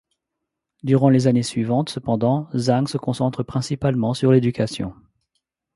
Durant les années suivantes, cependant, Zhang se concentre principalement sur l'éducation.